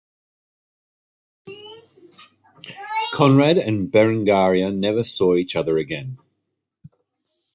Conrad and Berengaria never saw each other again.